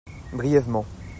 Brièvement.